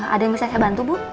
ada yang bisa saya bantu bu